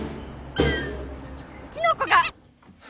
キノコが。